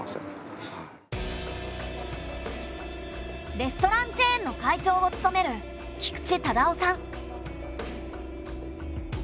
レストランチェーンの会長を務める菊地唯夫さん。